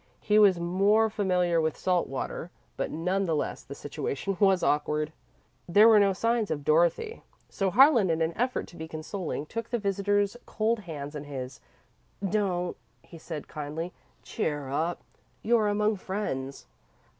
He was more familiar with salt water, but, none the less, the situation was awkward. There were no signs of Dorothy, so Harlan, in an effort to be consoling, took the visitor's cold hands in his. "Don't," he said, kindly; "cheer up. You are among friends."